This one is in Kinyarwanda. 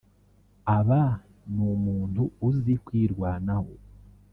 Aba ni umuntu uzi kwirwanaho